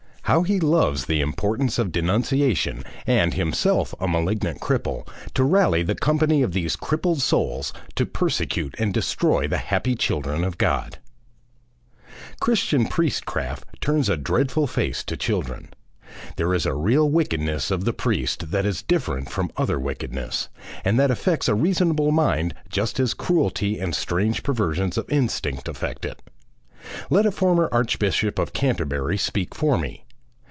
How he loves the importance of denunciation, and, himself a malignant cripple, to rally the company of these crippled souls to persecute and destroy the happy children of God! ... Christian priestcraft turns a dreadful face to children. There is a real wickedness of the priest that is different from other wickedness, and that affects a reasonable mind just as cruelty and strange perversions of instinct affect it. Let a former Archbishop of Canterbury speak for me.